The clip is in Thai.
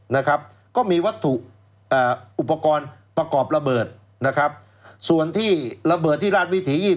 นะครับก็มีวัตถุอุปกรณ์ประกอบระเบิดนะครับส่วนที่ระเบิดที่ราชวิถี๒๐